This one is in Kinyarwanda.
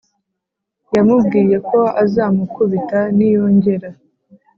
Yamubwiye ko azamukubita niyongera